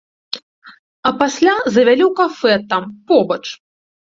А пасля завялі ў кафэ там, побач.